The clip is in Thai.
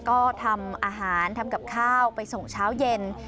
ก็ทำอาหารทำกับข้าวไปส่งเช้าเย็น